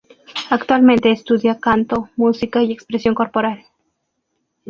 Actualmente estudia canto, música y expresión corporal.